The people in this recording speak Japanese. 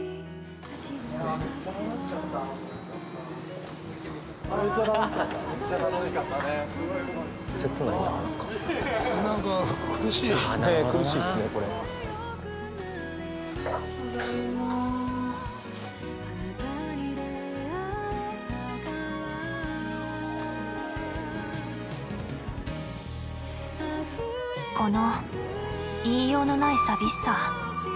この言いようのない寂しさなんて言う？